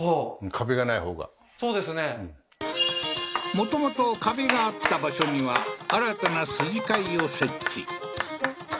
もともと壁があった場所には新たな筋交を設置